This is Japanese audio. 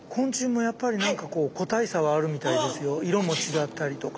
色も違ったりとか。